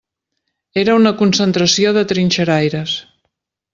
Era una concentració de trinxeraires.